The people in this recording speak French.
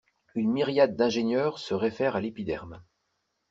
Une myriade d'ingénieurs se réfèrent à l'épiderme.